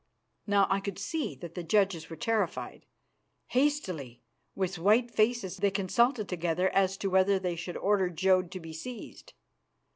Now I could see that the judges were terrified. Hastily, with white faces, they consulted together as to whether they should order Jodd to be seized.